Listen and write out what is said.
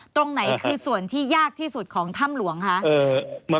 ตรงไหนคือส่วนที่ยากที่สุดของถ้ำหลวงคะ